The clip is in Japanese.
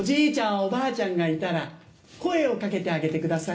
おばあちゃんがいたら声を掛けてあげてください。